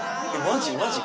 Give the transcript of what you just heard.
マジ？